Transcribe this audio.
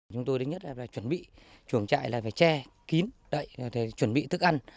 chúng tôi đứng nhất là chuẩn bị chuồng trại là phải che kín chuẩn bị thức ăn